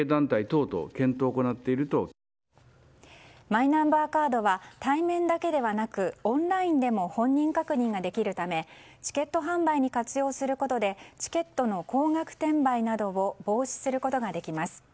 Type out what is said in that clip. マイナンバーカードは対面だけではなくオンラインでも本人確認ができるためチケット販売に活用することでチケットの高額転売などを防止することができます。